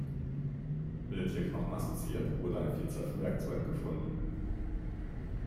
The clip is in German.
Mit den Tierknochen assoziiert wurde eine Vielzahl von Werkzeugen gefunden.